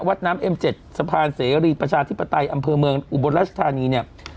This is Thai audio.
วัดน้ำเอ็มเจ็ดสะพานเสรีประชาธิปไตยอำเภอเมืองอุบลราชธานีเนี่ย